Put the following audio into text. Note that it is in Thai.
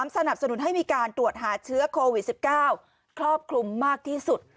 สนับสนุนให้มีการตรวจหาเชื้อโควิด๑๙ครอบคลุมมากที่สุด